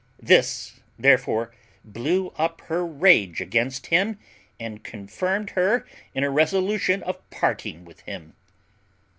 This, therefore, blew up her rage against him, and confirmed her in a resolution of parting with him.